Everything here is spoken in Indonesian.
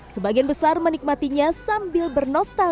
membuat di gulungan telur asin ini kita harus membuat telur telur asin di dalam "